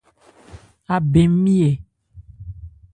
Abɛn nmi ɛ ?